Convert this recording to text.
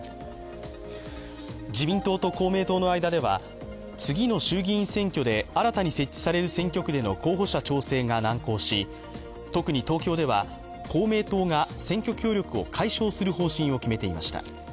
自民党と公明党の間では次の衆議院選挙で新たに設置される選挙区での候補者調整が難航し特に東京では公明党が選挙協力を解消する方針を決めていました。